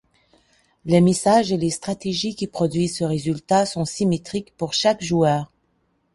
Les messages et les stratégies qui produisent ce résultat sont symétriques pour chaque joueur.